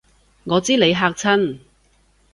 我知你嚇親